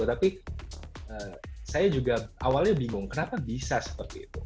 tapi saya juga awalnya bingung kenapa bisa seperti itu